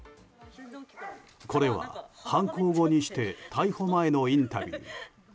これは犯行後にして逮捕前のインタビュー。